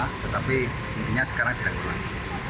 tetapi mungkinnya sekarang sudah berulang